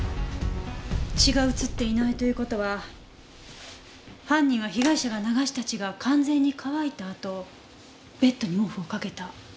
血が移っていないという事は犯人は被害者が流した血が完全に乾いたあとベッドに毛布をかけた。